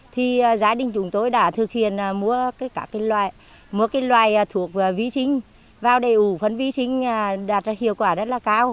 thì gia đình chúng tôi đã thực hiện mua các loại thuộc vi sinh vào đầy ủ phân vi sinh đạt ra hiệu quả rất là cao